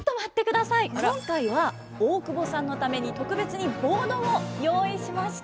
今回は大久保さんのために特別にボードを用意しました。